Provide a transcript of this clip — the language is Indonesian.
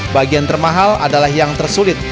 bagian termahal adalah yang tersulit